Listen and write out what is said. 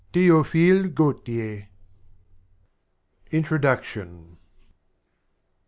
Theophile Oautier. INTRODUCTION.